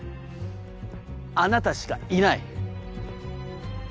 あなたしかいない。